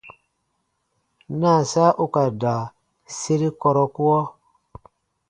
Naasa u ka da sere kɔrɔkuɔ.